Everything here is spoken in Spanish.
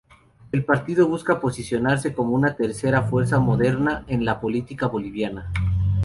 El partido busca posicionarse como una tercera fuerza moderada en la política boliviana.